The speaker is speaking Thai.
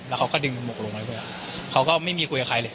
แล้วเขาก็ดึงหกลงไปเพื่อเขาก็ไม่มีคุยกับใครเลย